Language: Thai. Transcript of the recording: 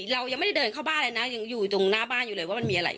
เรายังไม่ได้เดินเข้าบ้านเลยนะยังอยู่ตรงหน้าบ้านอยู่เลยว่ามันมีอะไร